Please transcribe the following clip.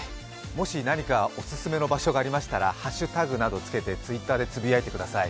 もし何かオススメの場所などありましたらハッシュタグをつけてＴｗｉｔｔｅｒでつぶやいてください。